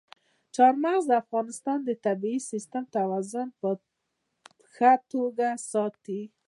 چار مغز د افغانستان د طبعي سیسټم توازن په ښه توګه ساتي.